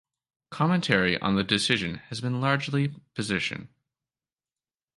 Commentary on the decision has been largely position.